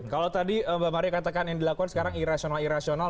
kalau tadi mbak maria katakan yang dilakukan sekarang irasional irasional